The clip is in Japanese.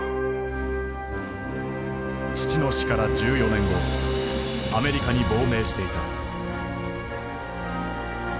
父の死から１４年後アメリカに亡命していた。